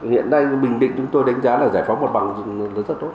hiện nay bình định chúng tôi đánh giá là giải phóng mặt bằng rất tốt